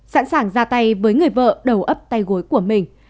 sẵn sàng ra tay với người vợ đầu ấp tay gối của mình